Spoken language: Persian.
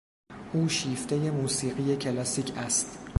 او شیفتهی موسیقی کلاسیک است.